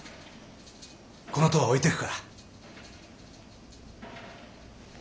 この塔は置いていくから。